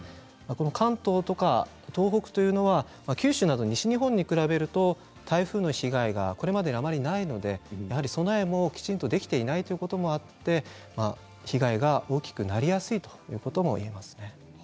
関東とか東北というのは九州など西日本に比べると台風の被害がこれまであまりないので備えもきちんとできていないということもあって被害が大きくなりやすいということもあります。